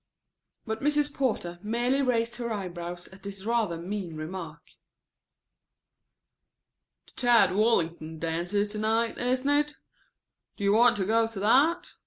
But Mrs. Porter merely raised her eyebrows at this rather mean remark. "The Tad Wallington dance is to night, isn't it? Do you want to go to that?"